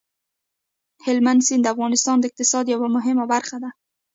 هلمند سیند د افغانستان د اقتصاد یوه مهمه برخه ده.